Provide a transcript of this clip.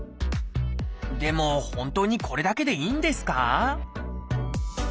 でも本当にこれだけでいいんですか？